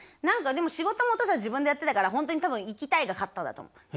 何かでも仕事もお父さん自分でやってたから本当に多分「行きたい」が勝ったんだと思う。